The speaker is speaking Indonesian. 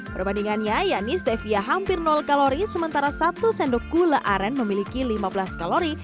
perbandingannya yakni stevia hampir kalori sementara satu sendok gula aren memiliki lima belas kalori